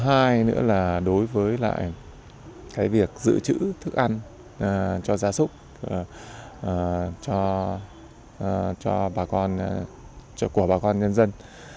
thứ ba nữa là đối với lại cái việc dự trữ thức ăn cho gia súc cho bà con của bà con nhân dân